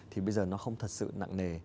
thì bây giờ nó không thật sự nặng nề